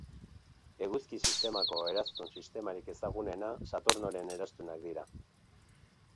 Eguzki-sistemako eraztun sistemarik ezagunena Saturnoren eraztunak dira.